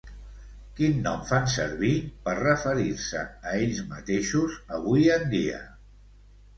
Quin nom fan servir per referir-se a ells mateixos avui en dia?